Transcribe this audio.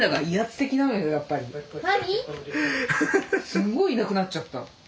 すっごいいなくなっちゃった。